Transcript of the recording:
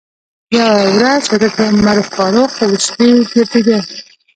یوه ورځ حضرت عمر فاروق و شپې ګرځېده.